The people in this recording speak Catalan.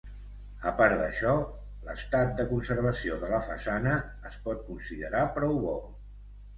A part, d'això, l'estat de conservació de la façana es pot considerar prou bo.